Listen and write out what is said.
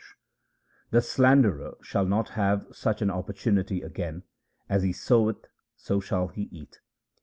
302 THE SIKH RELIGION The slanderer shall not have such an opportunity again ; as he soweth so shall he eat.